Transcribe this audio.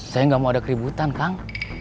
saya nggak mau ada keributan kang